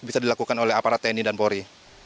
bisa dilakukan oleh aparat tni dan polri